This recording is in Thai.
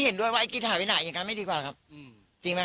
เห็นด้วยว่าไอ้กิ๊กหายไปไหนอย่างนั้นไม่ดีกว่าครับจริงไหมฮ